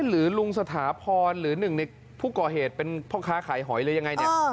ลุงสถาพรหรือหนึ่งในผู้ก่อเหตุเป็นพ่อค้าขายหอยหรือยังไงเนี่ย